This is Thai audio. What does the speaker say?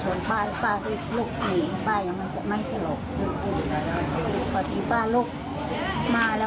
ชายเค้าไหร่เดินไห้